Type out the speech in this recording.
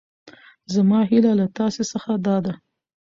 زما هېله له تاسو څخه دا ده.